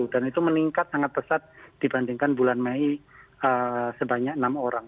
dan itu meningkat sangat pesat dibandingkan bulan mei sebanyak enam orang